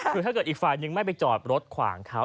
คือถ้าเกิดอีกฝ่ายนึงไม่ไปจอดรถขวางเขา